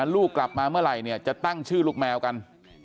ลูกกลับมาเมื่อไหร่เนี่ยจะตั้งชื่อลูกแมวกัน